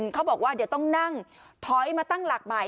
เขาบอกว่าเดี๋ยวต้องนั่งถอยมาตั้งหลักใหม่